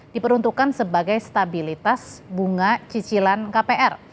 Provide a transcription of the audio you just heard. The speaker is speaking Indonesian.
diperuntukkan sebagai stabilitas bunga cicilan kpr